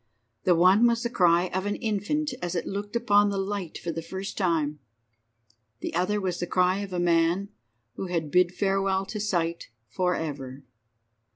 The one was the cry of an infant as it looked upon the light for the first time, the other was the cry of a man who had bid farewell to sight for ever.